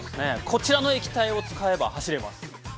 こちらの液体を使えば走れます。